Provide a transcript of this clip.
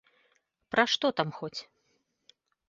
Пра што там хоць?